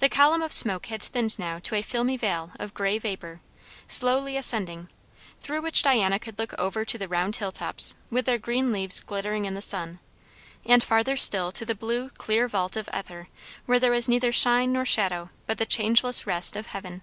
The column of smoke had thinned now to a filmy veil of grey vapour, slowly ascending, through which Diana could look over to the round hill tops, with their green leaves glittering in the sun; and farther still, to the blue, clear vault of ether, where there was neither shine nor shadow, but the changeless rest of heaven.